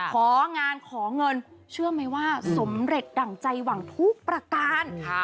ของานขอเงินเชื่อไหมว่าสมเด็จดั่งใจหวังทุกประการ